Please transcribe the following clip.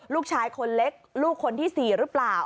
ลูกชายคนเล็กลูกคนที่๔หรือเปล่า